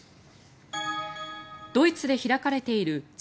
ドイツで開かれているＧ７